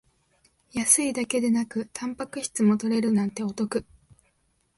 安いだけでなくタンパク質も取れるなんてお得